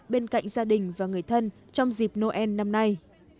bên cạnh gia đình và người thân trong dịp noel năm nay